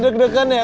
udah deg degan ya